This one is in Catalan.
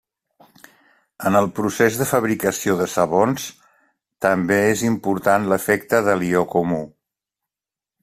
En el procés de fabricació de sabons també és important l'efecte de l'ió comú.